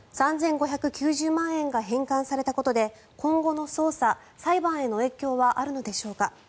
３５９０万円が返還されたことで今後の捜査裁判への影響はあるのでしょうか。